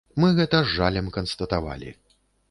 Мы гэта з жалем канстатавалі.